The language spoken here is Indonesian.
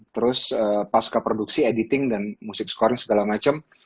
terus pas keproduksi editing dan musik scoring segala macem